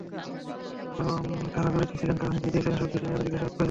আরও কারা জড়িত ছিলেন, কারা নির্দেশ দিয়েছেন—এসব বিষয়ে আরও জিজ্ঞাসাবাদ প্রয়োজন।